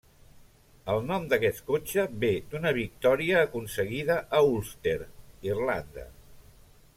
El nom d'aquest cotxe ve d'una victòria aconseguida a Ulster, Irlanda.